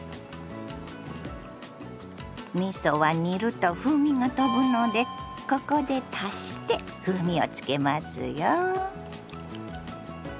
みそは煮ると風味がとぶのでここで足して風味をつけますよ。